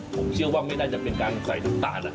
ผมเชื่อว่าไม่น่าจะเป็นการใส่น้ำตาล